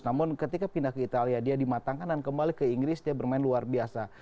namun ketika pindah ke italia dia dimatangkan dan kembali ke inggris dia bermain luar biasa